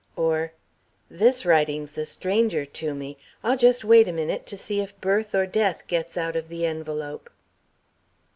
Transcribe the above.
Or, "This Writing's a stranger to me. I'll just wait a minute to see if birth or death gets out of the envelope.")